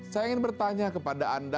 saya ingin bertanya kepada anda